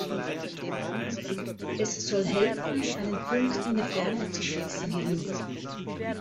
Es soll helfen, einen Punkt in der Ferne zu fixieren.